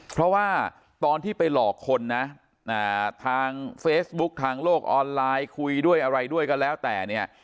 เพราะว่าตอนที่ไปหลอกคนนะทางเฟซบุ๊กทางโลกออนไลน์คุยด้วยอะไรด้วยก็แล้วแต่เนี่ย